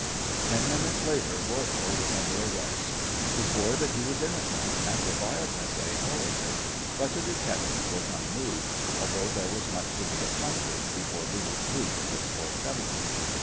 Ten minutes later Voirbo was under arrest. He swore that he was innocent, and reviled Macé horribly. But the detective was unmoved, although there was much to be accomplished before legal proof was forthcoming.